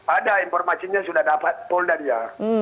ada informasinya sudah dapat poldat ya